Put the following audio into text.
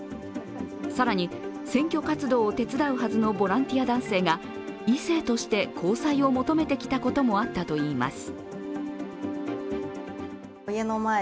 更に、選挙活動を手伝うはずのボランティア男性が異性として交際を求めてきたこともあったといいます。